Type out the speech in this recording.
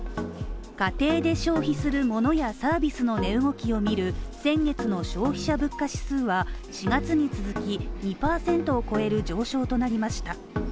家庭で消費する物やサービスの値動きを見る先月の消費者物価指数は４月に続き２％を超える上昇となりました。